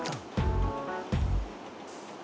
cocok banget tuh